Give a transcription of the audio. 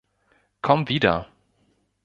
Komm wieder!